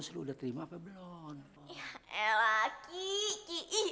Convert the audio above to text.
surat dari itoh